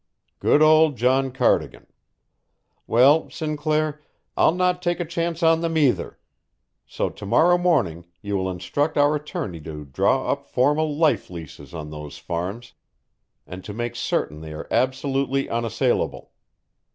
"Good old John Cardigan! Well, Sinclair, I'll not take a chance on them either; so to morrow morning you will instruct our attorney to draw up formal life leases on those farms, and to make certain they are absolutely unassailable.